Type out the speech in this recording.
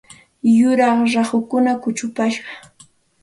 Yuraq rahukuna kuchupashqa.